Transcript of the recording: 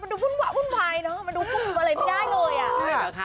มันดูวุ่นวะวุ่นวายนะมันดูพูดว่าอะไรไม่ง่ายเลย